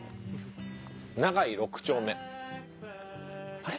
「長井六丁目」あれ？